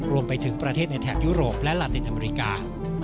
รวมไปถึงประเทศในแถบยุโรปและลาตินอเมริกา